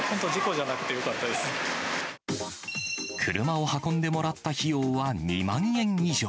本当、車を運んでもらった費用は２万円以上。